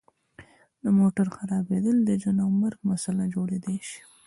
د موټر خرابیدل د ژوند او مرګ مسله جوړیدای شي